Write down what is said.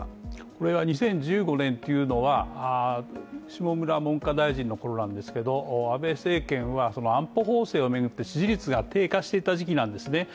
これは２０１５年というのは、下村文科大臣のころなんですけれども安倍政権は安保法制を巡って支持率が低下していた時期なんですね。